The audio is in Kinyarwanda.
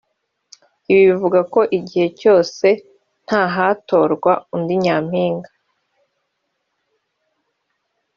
Ibi bivuga ko igihe cyose hataratorwa undi nyampinga